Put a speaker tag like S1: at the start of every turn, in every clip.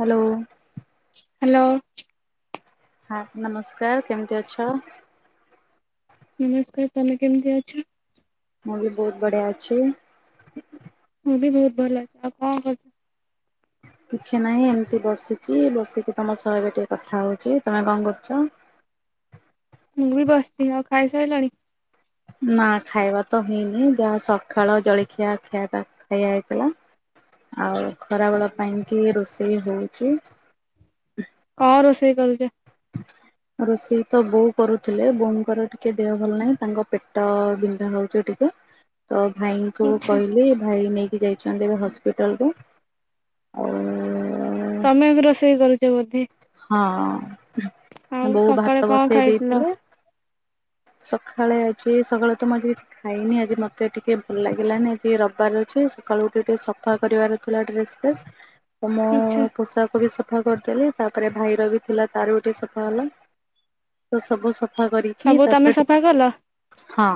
S1: Hello.
S2: Hello.
S1: ହା ନମସ୍କାର କେମିତି ଅଛ?
S2: ନମସ୍କାର ତମେ କେମିତି ଅଛ?
S1: ମୁଁବି ବହୁତ୍ ବଢ଼ିଆ ଅଛି।
S2: ମୁଁବି ବହୁତ୍ ଭଲ ଅଛି ଆଉ କଁ କରୁଚ?
S1: କିଛି ନାହିଁ ଏମିତି ବସିଚି ବସିକି ତମ ସହଏବେ ଟିକେ କଥା ହଉଚି ତମେ କଁ କରୁଚ?
S2: ମୁଁବି ବସିଚି ଆଉ ଖାଇସାରିଲାଣି?
S1: ନା ଖାଇବାତ ହେଇନି ଯାହା ସକାଳ ଜଳଖିଆ ଖ ଖାଇଆ ହେଇଥିଲା। ଆଉ ଖରା ବେଳ ପାଇଁକି ରୋଷେଇ ହଉଚି।
S2: କଁ ରୋଷେଇ କରୁଚ?
S1: ରୋଷେଇତ ବୋଉ କରୁଥିଲେ ବୋଉଙ୍କର ଟିକେ ଦେହ ଭଲ ନାହିଁ ତାଙ୍କ ପେଟ ବିନ୍ଧା ହଉଚି ଟି ତ ଭାଇଙ୍କୁ
S2: ଆଛା
S1: କହିଲି ଭାଇ ନେଇକି ଯାଇଛନ୍ତି ଏବେ ହସ୍ପିଟାଲକୁ ଆଉ
S2: ତମେ ଏବେ ରୋଷେଇ କରୁଚ ବୋଧେ?
S1: ହଁ
S2: ଆଉ
S1: ବୋଉ
S2: ସକାଳେ
S1: ଭାତ
S2: କଣ
S1: ବସେଇ
S2: ଖାଇଥିଲ?
S1: ଦେଇଥିଲେ ସଖାଳେ ଆଜି ସକାଳେତ ମୁଆଜି କିଛି ଖାଇନି ଆଜି ମତେ ଟିକେ ଭଲ ଲାଗିଲାନି ଆଜି ରବିବାର ଅଛି ସକାଳୁ ଉଠି ଟିକେ ସଫା କରିବାର ଥିଲା ଡ୍ରେସ୍ ଫ୍ରେସ୍
S2: [inaudible]
S1: ତ
S2: ଆଛା
S1: ମୋପୋଷାକବି ସ ସଫା କରିଦେଲି ତାପରେ ଭାଇରବି ଥିଲା ତାରବି ଟିକେ ସଫା ହେଲା ତସବୁ ସ ସଫା କରିକି
S2: ସବୁ ତମେ
S1: ତାପରେ ଟିକେ
S2: ସଫା କଲ?
S1: ହଁ।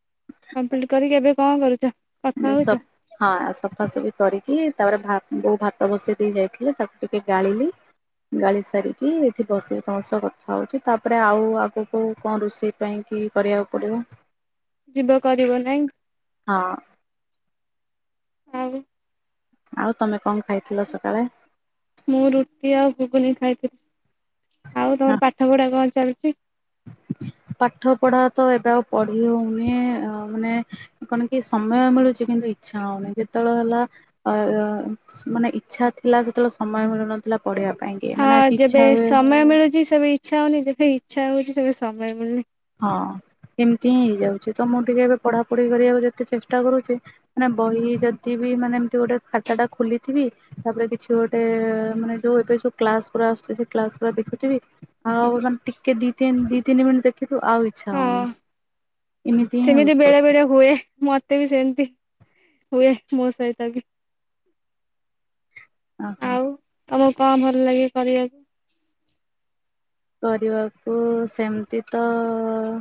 S1: [inaudible]
S2: କମ୍ପ୍ଲିଟ୍ କରିକି ଏବେ କଣ କରୁଚ?
S1: ମୁଁ ସ ହଁ ସଫାସଫି କରିକି ତାପରେ ଭା ବୋଉ ଭାତ ବସେଇ ଦେଇ ଯାଇଥିଲେ ତାକୁ ଟିକେ ଗାଳିଲି ଗାଳି ସାରିକି ଏଠି ବସି ତମ ସହ କଥା ହଉଚି ତାପରେ ଆଉ ଆଗକୁ କଣ ରୋଷେଇ ପାଇଁକି କରିବାକୁ ପଡ଼ିବ।
S2: ଯିବ କରିବ ନାଇଁ?
S1: ହଁ।
S2: ଆଉ।
S1: ଆଉ ତମେ କଣ ଖାଇଥିଲ ସକାଳେ?
S2: ମୁଁ ରୁଟି ଆଉ ଘୁଗୁନି ଖାଇଥିଲି ଆଉ
S1: ହଁ
S2: ତମର ପାଠ ପଢା କଣ ଚାଲିଚି?
S1: ପାଠ ପଢାତ ଏବେ ଆଉ ପଢି ହଉନି ଅ ମାନେ କଣକି ସମୟ ମିଳୁଚି କିନ୍ତୁ ଇଚ୍ଛା ହଉନି ଯେତେବେଳ ହେଲା ଆ ଅ ମାନେ ଇଚ୍ଛା ଥିଲା ସେତେବେଳେ ସମୟ ମିଳୁନଥିଲା ପଢିବା ପାଇଁ। କି
S2: ହଁ
S1: ମାନେ ଆଜି
S2: ଯେବେ
S1: ଇଚ୍ଛା ହୁଏ
S2: ସମୟ ମିଳୁଚି ସେବେ ଇଚ୍ଛା ହଉନି ଯେବେ ଇଚ୍ଛା ହଉଚି ସେବେ ସମୟ ମିଳୁନି।
S1: ହଁ ଏମିତିହିଁ ହେଇଯାଉଚି ତମୁଁ ଟିକେ ଏବେ ପଢାପଢି କରିବାକୁ ଯେତେ ଚେଷ୍ଟା କରୁଚି ମାନେ ବହି ଯଦିବି ମାନେ ଏମତି ଗୋଟେ ଖାତାଟା ଖୋଲିଥିବି ତାପରେ କିଛି ଗୋଟେ ମାନେ ଯୋଉ ଏବେ ଯୋଉ କ୍ଲାସ ଗୁରା ଆସୁଛି ସେ କ୍ଲାସଗୁରା ଦେଖୁଥିବି। ଆଉେ ମାନେ ଟିକେ ଦି ତିନି ଦି ତିନି ମିନିଟ ଦେଖିଲୁ ଆଉ ଇଚ୍ଛା
S2: ହଁ
S1: ହଉନି ଏମିତି ହିଁ
S2: ସେମିତି
S1: ହଉଛି
S2: ବେଳେବେଳେ ହୁଏ ମତେ ମତେ ବି ସେମିତି ହୁଏ ମୋ ସହିତ ବି।
S1: ଓ ହୋ।
S2: ଆଉ ତମକୁ କଣ ଭଲ ଲାଗେ କରିବାକୁ?
S1: କରିବାକୁ ସେମିତି ତ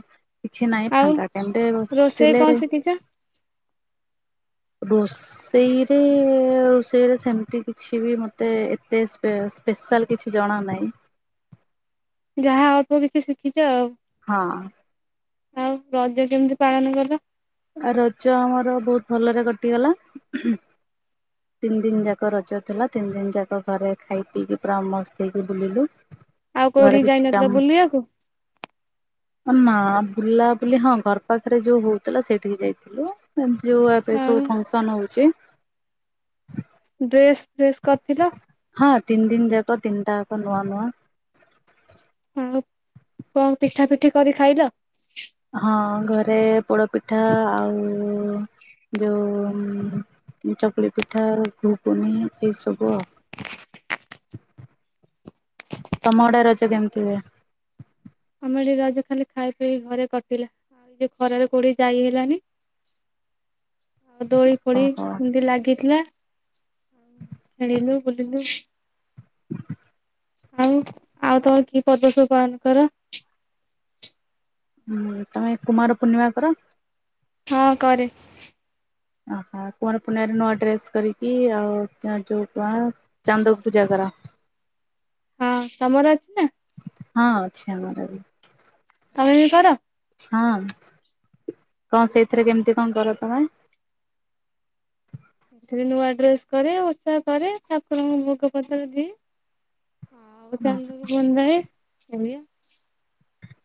S1: କିଛି ନାହିଁ
S2: ଆଉ
S1: ଫାଙ୍କା ଟାଇମ୍ ରେ
S2: ରୋଷେଇ
S1: ବସିଥିଲେ।
S2: କଣ ଶିଖିଛ
S1: ରୋଷେଇରେ ରୋଷେଇରେ ସେମିତି କିଛି ବି ମତେ ଏତେ ସ୍ପେଶାଲ୍ କିଛି ଜଣା ନାହିଁ।
S2: ଯାହା ଅଳ୍ପ କିଛି ଶିଖିଚ ଆଉ।
S1: ହଁ।
S2: ଆଉ ରଜ କେମିତି ପାଳନ କଲ?
S1: ଆ ରଜ ଆମର ବହୁତ ଭଲରେ କଟିଗଲା। ତିନି ଦିନ ଯାକ ରଜ ଥିଲା ତିନି ଦିନ ଯାକ ଘରେ ଖାଇ ପିଇକି ପୁରା ମସ୍ତ ହେଇକି ବୁଲିଲୁ।
S2: [inaudible]
S1: ଘରେ କିଛି
S2: ଯାଇନଥିଲ
S1: କାମ୍।
S2: ବୁଲିବାକୁ
S1: ନାଁ ବୁଲା ବୁଲି ହଁ ଘର ପାଖରେ ଯୋଉ ହଉଥିଲା ସେଇଠିକି ଯାଇଥିଲୁ। ଯୋଉ ଆପରେ
S2: ଆଉ
S1: ସବୁ ଫଙ୍କସନ୍ ହଉଛି।
S2: ଡ୍ରେସ ଫ୍ରେସ୍ କରିଥିଲ?
S1: ହଁ ତିନ ଦିନ ଯାକ ତିନିଟା ଯାକ ନୂଆ ନୂଆ।
S2: ଆଉ କଣ ପିଠା ପିଠି କରି ଖାଇଲ?
S1: ହଁ ଘରେ ପୋଡ଼ପିଠା ଆଉ ଯଉ ଉମ୍ ଚକୁଳି ପିଠା ଆଉ ଘୁଗୁନି ଏଇସବୁ ଆଉ।
S2: [inaudible]
S1: ତମ ଆଡେ ରଜ କେମିତି ହୁଏ?
S2: ଆମ ଏଠି ରଜ ଖାଲି ଖାଇ ପିଇ ଘରେ କଟିଲା। ଆଉ ଏ ଖରାରେ କୋଉଠିକି ଯାଇ ହେଲାନି। ଆଉ ଦୋଳିଫୋଳି
S1: ଓହୋ
S2: ଏମିତି ଲାଗିଥିଲା। ଖେଳିଳୁ ବୁଲିଲୁ। ଆଉ ଆଉ ତମର କି ପର୍ବପର୍ବାଣୀ କର?
S1: ହୁଁ ତମେ କୁମାର ପୂର୍ଣ୍ଣିମା କର?
S2: ହଁ କରେ।
S1: ଓହୋ କୁଆଁର ପୁନେଇଁରେ ନୂଆ ଡ୍ରେସ୍ କରିକି ଆଉ ଚା ଯୋଉ ଗାଁ। ଚାନ୍ଦକୁ ପୂଜା କର?
S2: ହଁ ତମର ଅଛି ନା?
S1: ହଁ ଅଛି ଆମର ବି।
S2: ତମେ ବି କର।
S1: ହଁ କଅଁ ସେଇଥିରେ କେମିତି କଣ କର ତମେ?
S2: ଏଥିରେ ନୂଆ ଡ୍ରେସ କରେ ଓଷା କରେ ଠାକୁରଙ୍କୁ ଭୋଗ ପଶରା ଦିଏ। ହଁ ଆଉ ଚାନ୍ଦ ବି ବନ୍ଦାଏ।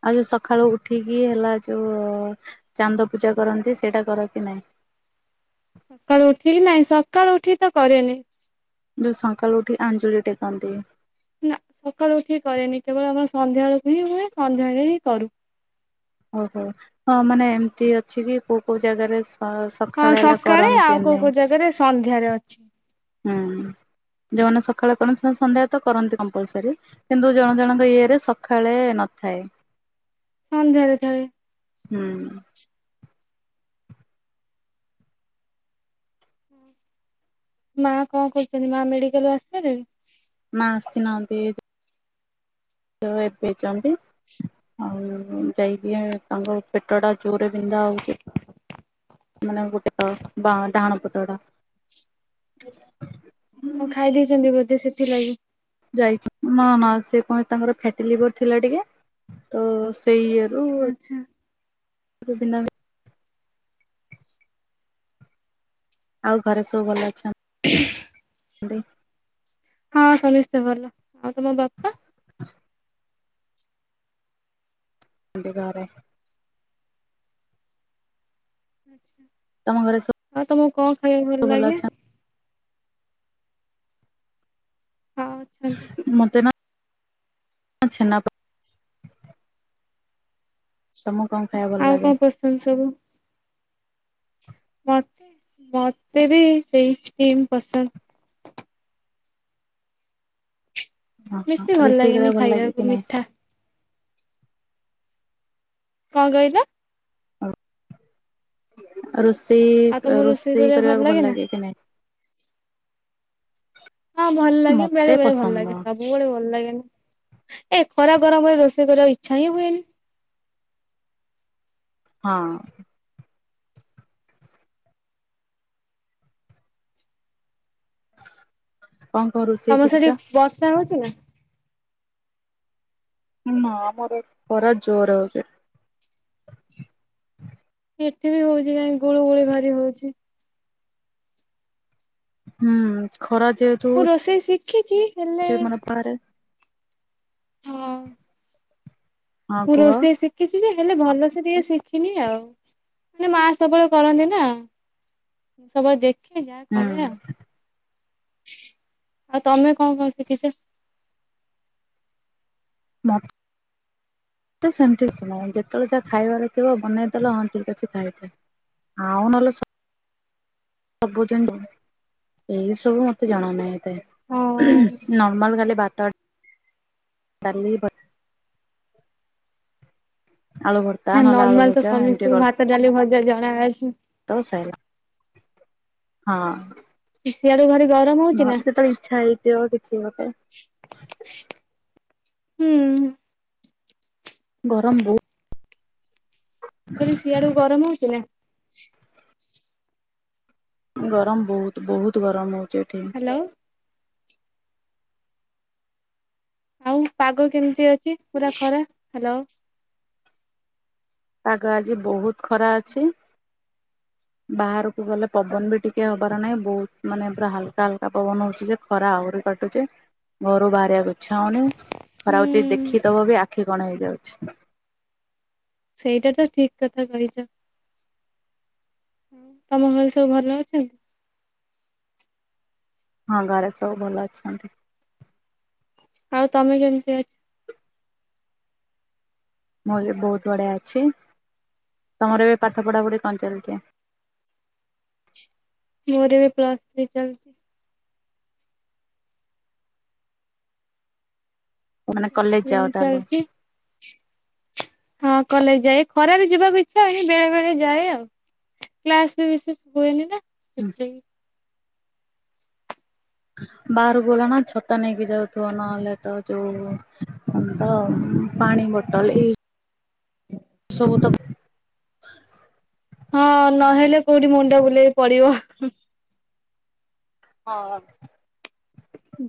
S1: ଆଉ ଯୋଉ ସକାଳୁ ଉଠିକି ହେଲା ଯୋଉ ଚାନ୍ଦ ପୂଜା କରନ୍ତି ସେଇଟା କର କି ନାଇଁ?
S2: ସକାଳୁ ଉଠି କି ନାଇଁ ସକାଳୁ ଉଠି ତ କରେନି।
S1: ଯଉଁ ସଖାଳୁ ଉଠି ଆଞ୍ଜୁଳି ଟେକନ୍ତି।
S2: ନା ସକାଳୁ ଉଠି କରେନି କେବଳ ଆମର ସନ୍ଧ୍ୟାବେଳକୁ ହିଁ ହୁଏ ସନ୍ଧ୍ୟାରେ ହିଁ କରୁ।
S1: ଓହୋ ହଁ ମାନେ ଏମିତି ଅଛି କି କୋଉ କୋଉ ଜାଗାରେ ସ
S2: ହଁ
S1: ହେଲା
S2: ସକାଳେ ଆଉ କୋଉ
S1: କରନ୍ତିନି।
S2: କୋଉ ଜାଗାରେ ସନ୍ଧ୍ୟାରେ ଅଛି।
S1: ହୁଁ ଯେଉଁମାନେ ସକାଳେ କରନ୍ତି ସେମାନେ ସନ୍ଧ୍ୟା ତ କରନ୍ତି କମ୍ପଲସରୀ। କିନ୍ତୁ ଜଣ ଜଣଙ୍କ ଇଏ ରେ ସଖାଳେ ନଥାଏ।
S2: ସନ୍ଧ୍ୟାରେ ଥାଏ।
S1: ହୁଁ।
S2: ମା କଣ କରୁଚନ୍ତି ମା ମେଡିକାଲରୁୁ ଆସିସାଲେଣି।
S1: ମା ଆସି ନାହାନ୍ତି। ତ ଏତେଇଚନ୍ତି। ଆଉ ଦେଇକି ତାଙ୍କୁ ପେଟ ଟା ଜୋରେ ବିନ୍ଧା ହଉଚି। ମାନେ ଗୋଟେ ଟ ବାଁ ଡାହାଣ ପଟରା।
S2: ବିରିଆନି।
S1: ଯାଇଛି ନା ନା ସେ ପୁଣି ତାଙ୍କର ଫେଟି ଲିଭର ଥିଲା ଟିକେ। ତ ସେଇ ଇଅରୁ
S2: ଆଛା।
S1: ଗୋବିନ୍ଦା ଭାଈ। ଆଉ ଘରେ ସବୁ ଭଲ ଅଛନ।
S2: ହଁ ସମସ୍ତେ ଭଲ ଆଉ ତମ ବାପା?
S1: ଏବେ ଘରେ। ତମ ଘରେ ସବୁ
S2: ଆଉ ତମକୁ କଣ ଖାଇବା ପାଇଁ ଭଲ ଲାଗେ? ହଁ ଅଛନ୍ତି।
S1: ମତେ ନା ଛେନାପୋଡ। ତମକୁ କଣ ଖାଇବାକୁ ଭଲ ଲାଗେ?
S2: ସେ ସବୁ ମତ ମତେ ବି ସେଇ କ୍ରିମ୍ ପସନ୍ଦ।
S1: ହଁ ହଁ
S2: ମିତି ଭଲ
S1: ରୋଷେଇ
S2: ଲାଗେନି
S1: କରିବାକୁ ଭଲ ଲାଗେ କି
S2: ଖାଇବାକୁ
S1: ନାଇଁ?
S2: ମିଠା? କଣ କହିଲ?
S1: ରୋଷେଇ ରୋଷେଇ କରିବାକୁ ଭଲ ଲାଗେ କି ନାହିଁ?
S2: ହଁ ଭଲ ଲାଗେ
S1: ମତେ
S2: ବେଳେ ବେଳେ ଭଲ
S1: ପସନ୍ଦ
S2: ଲାଗେ
S1: ନୁହଁ।
S2: ସବ୍ ସବୁବେଳେ ଭଲ ଲାଗେନି ଏ ଖରା ଗରମରେ ରୋଷେଇ କରିବା ଇଚ୍ଛା ହିଁ ହୁଏନି।
S1: ହଁ। କଣ କଣ ରୋଷେଇ
S2: ତମର ସେଠି
S1: ଶିଖିଛ।
S2: ବର୍ଷା ହଉଛି ନା।
S1: ନାଁ ଆମର ଏଠି ଖରା ଜୋର ହଉଛି।
S2: ଏଠି ବି ହଉଛି କାଇଁ ଗୋଳୁ ଗୋଳି ଭାରି ହଉଛି।
S1: ହୁଁ ଖରା ଯେ
S2: ମୁଁ ରୋଷେଇ ଶିଖିଛି ହେଲେ
S1: ବାହାରେ
S2: ହଁ।
S1: ହଁ
S2: ମୁଁ
S1: କୁହ ହୁଁ।
S2: ରୋଷଇ ଶିକ୍ କିଛି ଯେ ହେଲେ ଭଲସେ ଟିକେ ଶିଖିନି ଆଉ ହେଲେ ମା ସବୁବେଳେ କରନ୍ତି ନା। ସବୁବେଳେ ଦେଖ୍ ଯାହା କରିବା ଆଉ ଆଉ ତମେ କଣ କଣ ଶିଖିଚ।
S1: ନା। ହେଠି ସେମିତି କିଛି ନାହଁ, ଯେତେବେଳେ ଯାହା ଖାଇବାର ହେଇଥିବ ବନେଇଦେଲ ହଁ, ଠିକ୍ ଅଛି ଖାଇଦିଅ। ଆଉ ନହେଲେ ସ ସବୁଠି ହିଁ ନା ଏଇ ସବୁ ମତେ ଜଣା ନାହିଁ ଏତେ
S2: ହଁ
S1: ନା। ନୋଉ ଗଲେ ଭାତ-ଡାଲି-ଭ ଆଳୁ ଭ
S2: ନା ନର୍ମାଲ ତ ସମସ୍ତେଙ୍କୁ ଭାତ ଡାଲି ଭଜା ଜଣାଅଛି।
S1: ତୋ ସାଇଡ୍ ହଁ।
S2: ସିଆଡୁ ଭାରି ଗରମ ହଉଛି ନା
S1: ମୋତେ ତ ଇଚ୍ଛା ହେଇଥିବ କିଛି ଗୋଟେ
S2: ହୁଁ।
S1: ଗରମ ବହୁ
S2: ମୁଁ କହିଲି ସିଆଡେ ଗରମ ହଉଚି ନା?
S1: ଗରମ ବହୁତ ବହୁତ ଗରମ ହୋଉଚି ଏଠି।
S2: ହ୍ୟାଲୋ। ଆଉ ପାଗ କେମିତି ଅଛି ପୁରା ଖରା ହାଲୋ।
S1: ପାଗ ଆଜି ବହୁତ ଖରା ଅଛି। ବାହାରକୁ ଗଲେ ପବନ ବି ଟିକେ ହବାର ନାହିଁ ବହୁତ ମାନେ ପୁରା ହାଲକା ହାଲକା ପବନ ହଉଛି ଯେ? ଖରା ଆହୁରି କାଟୁଚି ଘରୁ ବାହାରିବା ଇଛା ହଉନି
S2: ହୁଁ।
S1: ଖରାକୁ ଯିଏ ଦେଖିଦବ ବି ଆଖି କଣ ହେଇଯାଉଛି।
S2: ସେଇଟା ତ ଠିକ୍ କଥା କହିଚ। ତମ ଘରେ ସବୁ ଭଲ ଅଛ?
S1: ହଁ ଘରେ ସବୁ ଭଲ ଅଛନ୍ତି।
S2: ଆଉ ତମେ କେମିତି ଅ
S1: ମୋର ବି ବହୁତ ବଢିଆ ଅଛି। ତମର ଏବେ ପାଠ ପଢ଼ାପଢ଼ି କଣ ଚାଲିଚି?
S2: ମୋର ଏବେ ପ୍ଲସ୍ ଥ୍ରୀ ଚାଲିଚି।
S1: ମାନେ କଲେଜ
S2: ହୁଁ
S1: ଯାଅ ତାହେଲେ
S2: ଚାଲିଚି। ହଁ କଲେଜ ଯାଏ ଖରାରେ ଯିବାକୁ ଇଚ୍ଛା ହୁଏନି ବେଳେ ବେଳେ ଯାଏ ଆଉ। କ୍ଲାସରେ ବିଶେଷ ହୁଏନି ନା ସେଥିଲାଗି।
S1: ବାହାରକୁ ଗଣ ଛତା ନେଇକି ଯାଉଥିବ ନହେଲେ ତ ଯୋଉ ତ ପାଣି ବୋଟଲ୍ ଏଇ
S2: ହ
S1: ସବୁ ତ
S2: ହଁ ନହେଲେ କୋଉଠି ମୁଣ୍ଡ ବୁଲେଇକି ପଡିବ।
S1: ହଁ।
S2: ଉଁ।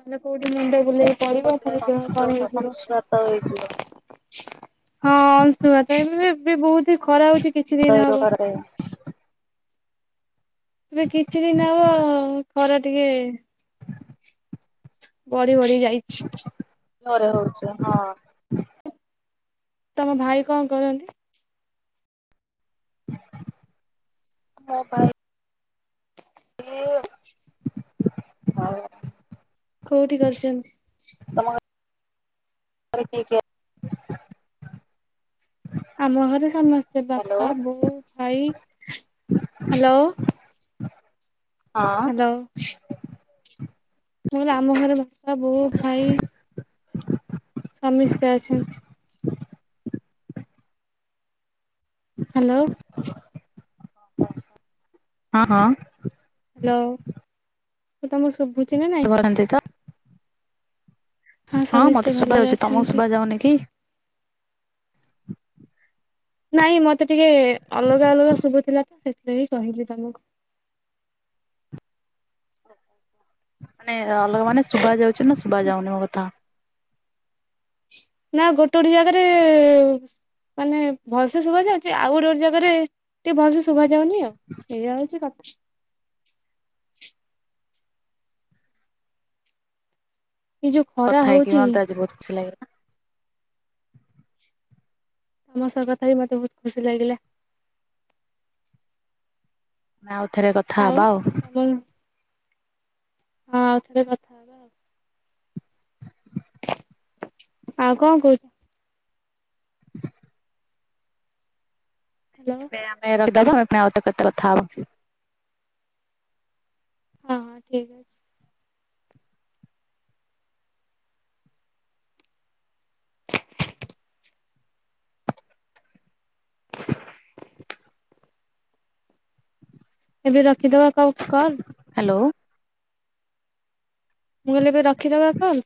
S2: ତାହେଲେ କୋଉଠି ମୁଣ୍ଡ ବୁଲେଇ ପଡିବ ପୁଣି ଦେହ କଣ ହେଇଯିବ।
S1: ଅଂଶୁଘାତ ହେଇଯିବ
S2: ହଁ ଅଂଶୁଘାତ ଏବେ ବି ବହୁତ ହିଁ ଖରା ହଉଛି କିଛି ଦିନ ହବ।
S1: [unintelligible]
S2: ଏବେ କିଛି ଦିନ ହବ ଖରା ଟିକେ ବଢି ବଢି ଯାଇଛି।
S1: ଘରେ ହୋଉଚି ହଁ।
S2: ତମ ଭାଇ କଣ କରନ୍ତି?
S1: ମୋ ଭାଇ [unintelligible]
S2: କୋଉଠି କରିଛନ୍ତି?
S1: ତମ ଆ ରେ କିଏ କିଏ
S2: ଆମ ଘରେ ସମସ୍ତେ
S1: ହ୍ୟାଲୋ
S2: ବାପା ବୋଉ ଭାଇ ହାଲୋ।
S1: ହଁ।
S2: ଅ ମୁ କହିଲି ଆମ ଘରେ ବାପା ବୋଉ ଭାଇ। ସମସ୍ତେ ଅଛନ୍ତି। ହାଲୋ।
S1: ହଁ ହଁ।
S2: ହାଲୋ ମୁ ତମ ଶୁଭୁଚି ନା ନାଇଁ?
S1: ଘର କେମିତି ତ? ହଁ
S2: ସମିସ୍ତେ
S1: ମତେ ଶୁଭା
S2: ଭଲରେ
S1: ଯାଉଚି ତମକୁ
S2: ଅଛନ୍ତି।
S1: ଶୁଭା ଯାଉନି କି?
S2: ନାଇଁ ମତେ ଟିକେ ଅଲଗା ଅଲଗା ଶୁଭୁଥିଲା ତ ସେଥିପାଇଁ ହିଁ କହିଲି ତମକୁ।
S1: ମାନେ ଅଲଗା ମାନେ ଶୁଭା ଯାଉଚି ନା ଶୁଭା ଯାଉନି ମୋ କଥା?
S2: ନା ଗୋଟେ ଗୋଟେ ଜାଗାରେ ମାନେ ଭଲସେ ଶୁଭା ଯାଉଚି। ଆଉ ଗୋଟେ ଗୋଟେ ଜାଗାରେ ଟିକେ ଭଲସେ ଶୁଭା ଯାଉନି ଆଉ। ସେଇଆ ହଉଚି କଥା। ଏଇ ଯୋଉ ଖରା
S1: କଥା ହେଇକି
S2: ହଉଛି
S1: ମୋତେ ଆଜି କରୁଥିଲେ।
S2: ତମ ସହ କଥା ହେଇ ମତେ ବହୁତ ଖୁସି ଲାଗିଲା।
S1: ଆମେ ଆଉ ଥରେ କଥା ହବା ଆଉ।
S2: ହାଲୋ ହଁ ଆଉ ଥରେ କଥା ହବା ଆଉ। ଆଉ କଣ କହୁଚ? ହାଲୋ।
S1: ଏ ଆମେ ଏବେ ରଖ ଦବା ପୁଣି ଆଉଥରେ କେତେବେଳେ କଥା ହବ।
S2: ହଁ ହଁ ଠିକ୍ ଅଛି। ଏବେ ରଖିଦବା କ କଲ।
S1: ହାଲୋ।
S2: ମୁଁ କହିଲି ଏବେ ରଖିଦବା ଫୋନ୍?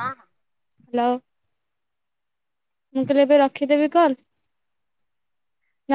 S1: ହଁ ହଁ।
S2: ହାଲୋ। ମୁଁ କହିଲି ଏବେ ରଖିଦେବି କଲ୍? ନା